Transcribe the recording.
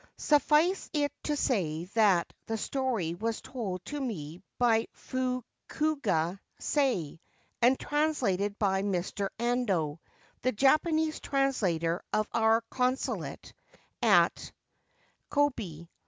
Suffice it to say that the story was told to me by Fukuga Sei, and translated by Mr. Ando, the Japanese translator of our Consulate at Kobe.